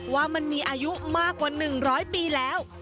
ว่ามันมีอายุมากกว่า๑๐๐ปีแล้ว